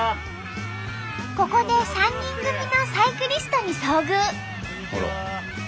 ここで３人組のサイクリストに遭遇！